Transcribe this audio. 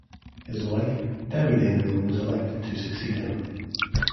His wife, Debbie Dingell was elected to succeed him.